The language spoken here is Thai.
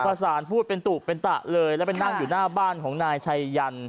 สารพูดเป็นตุเป็นตะเลยแล้วไปนั่งอยู่หน้าบ้านของนายชัยยัน